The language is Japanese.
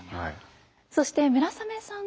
そして村雨さん